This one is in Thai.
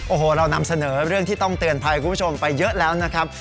โอ้โหเรานำเสนอเรื่องที่ต้องเตือนภัยคุณผู้ชมไปเยอะแล้วนะครับ